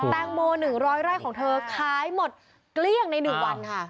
แตงโม๑๐๐ไร่ของเธอขายหมดเกลี้ยงใน๑วันค่ะ